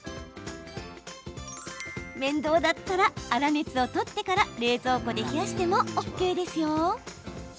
面倒なら、粗熱を取ってから冷蔵庫で冷やしてもＯＫですよ。